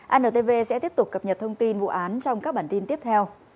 antv sẽ tiếp tục cập nhật thông tin vụ án trong các bản tin tiếp theo